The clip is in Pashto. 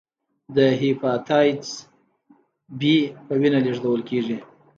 د هپاتایتس بي په وینه لېږدول کېږي.